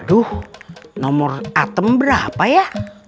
aduh nomor atem berapa ya